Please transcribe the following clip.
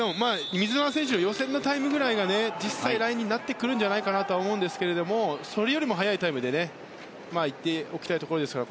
水沼選手の予選のタイムくらいが実際のラインになってくると思いますがそれよりも早いタイムでいっておきたいところですが。